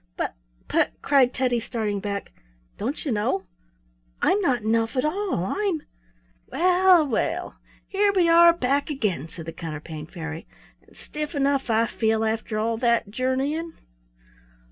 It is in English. "But —but —" cried Teddy, starting back, "don't you know? I'm not an elf at all. I'm—" "Well, well! Here we are back again," said the Counterpane Fairy, "and stiff enough I feel after all that journeying."